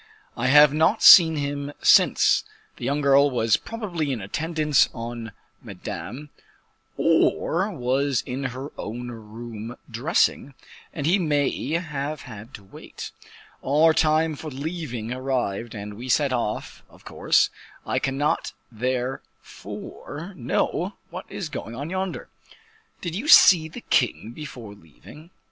"I have not seen him since; the young girl was probably in attendance on Madame, or was in her own room dressing, and he may have had to wait. Our time for leaving arrived, and we set off, of course; I cannot, therefore, know what is going on yonder." "Did you see the king before leaving?"